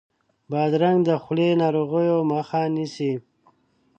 بادرنګ د خولې ناروغیو مخه نیسي.